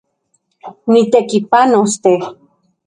Nitekipanos, te